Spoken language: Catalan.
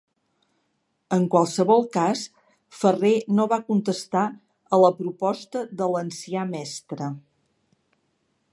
En qualsevol cas, Ferrer no va contestar a la proposta de l'ancià mestre.